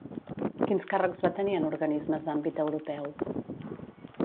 Quins càrrecs va tenir en organismes d'àmbit europeu?